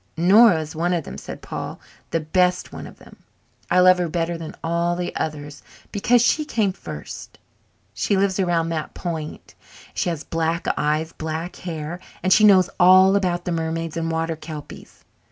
"Nora is one of them," said Paul, "the best one of them. I love her better than all the others because she came first. She lives around that point and she has black eyes and black hair and she knows all about the mermaids and water kelpies.